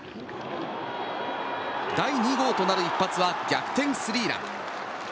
第２号となる一発は逆転スリーラン。